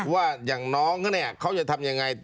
ว่าอย่างน้องเขาเนี่ยเขาจะทำยังไง